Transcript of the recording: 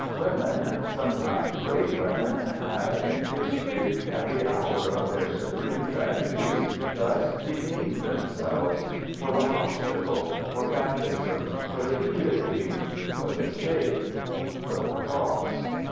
Women, sometimes great women, have in history, at the hour of their supreme tragedies, thus demeaned themselves for the hospital, for baptism, for the guillotine, for the stake, for the cross.